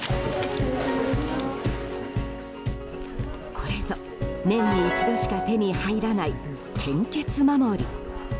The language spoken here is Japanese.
これぞ、年に一度しか手に入らない健血守。